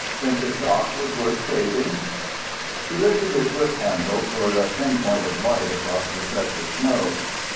Think the stock was worth saving?" He lifted his whip handle toward a pin point of light across the stretch of snow.